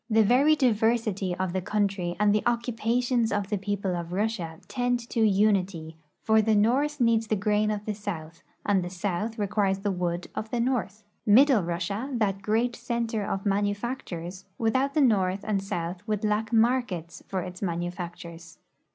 The very diversity of the country and the occupations of the people of Russia tend to unity, for the north needs the grain of the south, and the south requires the wood of the north. Middle Russia, that great center of manufactures, without the north and south would lack markets for its manufactures.